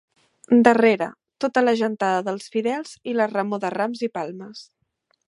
Darrera, tota la gentada dels fidels i la remor de rams i palmes.